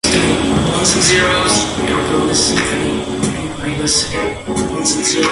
A Commissioner of Assam was appointed, subordinate to the Governor of Bengal.